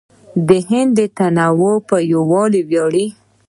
هند د تنوع په یووالي ویاړي.